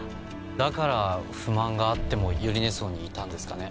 だから不満があっても百合根荘にいたんですかね？